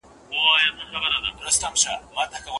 څوک چي څېړونکی نه وي ښه لارښود نسي کېدای.